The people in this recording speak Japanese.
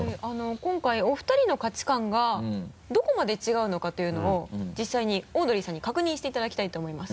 今回お二人の価値観がどこまで違うのかというのを実際にオードリーさんに確認していただきたいと思います。